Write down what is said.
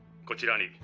こちらに。